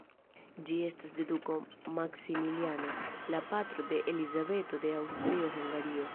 Ĝi estas de duko Maksimiliano, la patro de Elizabeto de Aŭstrio-Hungario.